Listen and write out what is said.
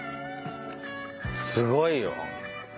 すごいよ。